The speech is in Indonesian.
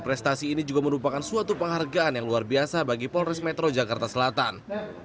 prestasi ini juga merupakan suatu penghargaan yang luar biasa bagi polres metro jakarta selatan